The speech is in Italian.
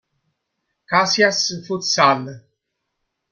Caxias Futsal.